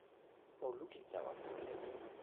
o lukin tawa mi.